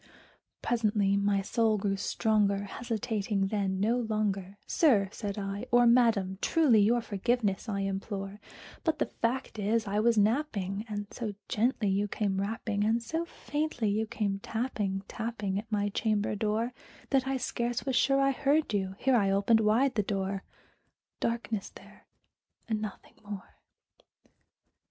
Presently my soul grew stronger; hesitating then no longer, "Sir," said I, "or Madam, truly your forgiveness I implore; But the fact is I was napping, and so gently you came rapping, And so faintly you came tapping, tapping at my chamber door, That I scarce was sure I heard you" here I opened wide the door; Darkness there, and nothing more.